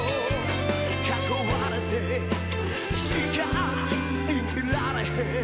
「囲われてしか生きられへん」